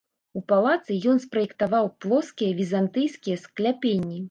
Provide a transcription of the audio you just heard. У палацы ён спраектаваў плоскія візантыйскія скляпенні.